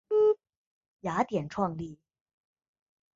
雅典创立。